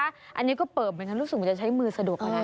อันนี้ก็เปลือบกันก็น่าจะเคยใช้มือสะดวก